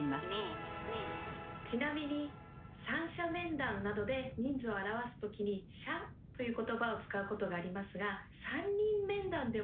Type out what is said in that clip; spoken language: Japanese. ちなみに「三者面談」などで人数を表す時に「者」という言葉を使うことがありますが「三人面談」でもいいと思いませんか？